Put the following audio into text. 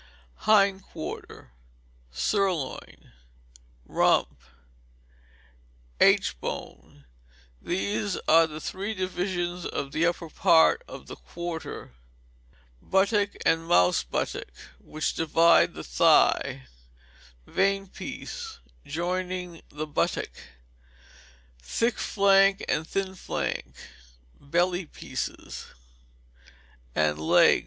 Hind Quarter. Sirloin; rump; aitch bone these are the three divisions of the upper part of the quarter; buttock and mouse buttock, which divide the thigh; veiny piece, joining the buttock; thick flank and thin flank (belly pieces) and leg.